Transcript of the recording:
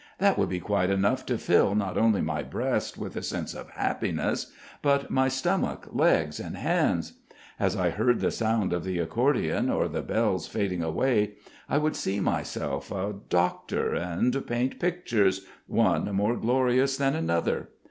That would be quite enough to fill not only my breast with a sense of happiness, but my stomach, legs, and hands. As I heard the sound of the accordion or the bells fading away, I would see myself a doctor and paint pictures, one more glorious than another.